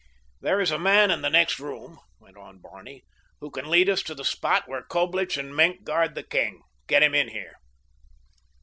"There is a man in the next room," went on Barney, "who can lead us to the spot where Coblich and Maenck guard the king. Get him in here."